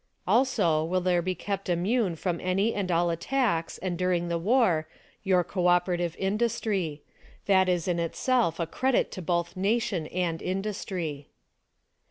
Also, will there be kept immune from any and all attacks, and during the war, your co operative industry. That is in itself a credit to both nation and industry.